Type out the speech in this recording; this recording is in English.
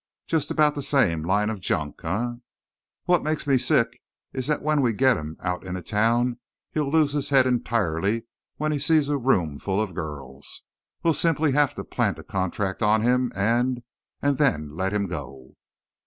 Just about the same line of junk, eh? What makes me sick is that when we get him out in a town he'll lose his head entirely when he sees a room full of girls. We'll simply have to plant a contract on him and then let him go!"